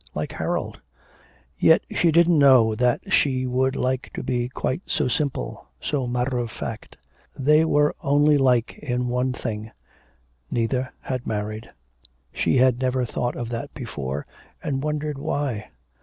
Like Harold. Yet she didn't know that she would like to be quite so simple, so matter of fact. They were only like in one thing, neither had married. She had never thought of that before, and wondered why.